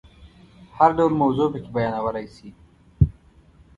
هر ډول موضوع پکې بیانولای شي.